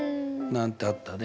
なんてあったね。